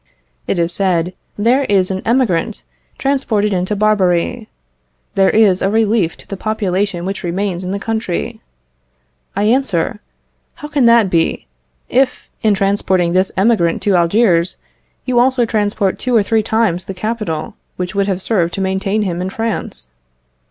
It is said, "There is an emigrant transported into Barbary; this is a relief to the population which remains in the country," I answer, "How can that be, if, in transporting this emigrant to Algiers, you also transport two or three times the capital which would have served to maintain him in France?"